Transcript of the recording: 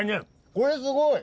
これすごい。